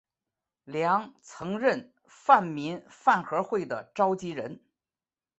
梁曾任泛民饭盒会的召集人。